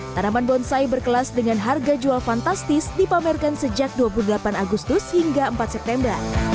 tanaman bonsai berkelas dengan harga jual fantastis dipamerkan sejak dua puluh delapan agustus hingga empat september